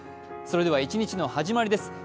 それでは一日の始まりです。